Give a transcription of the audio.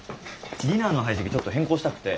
ディナーの配席ちょっと変更したくて。